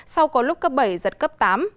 sau có lúc cấp bảy giật cấp tám